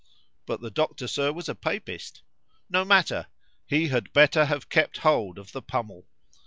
—but the doctor, Sir, was a Papist.—No matter; he had better have kept hold of the pummel.